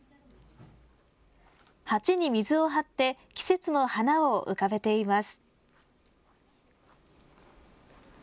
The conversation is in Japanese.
鉢に水を張って季節の花を浮かべています。